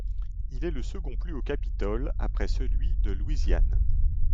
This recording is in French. Il est le second plus haut Capitole après celui de Louisiane.